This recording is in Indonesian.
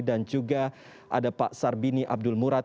juga ada pak sarbini abdul murad